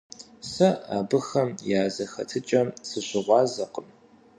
Сэ абыхэм я зэхэтыкӀэм сыщыгъуазэкъым.